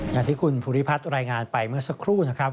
อย่างที่คุณภูริพัฒน์รายงานไปเมื่อสักครู่นะครับ